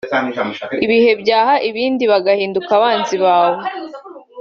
ibihe byaha ibindi bagahinduka abanzi bawe